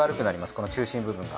この中心部分が。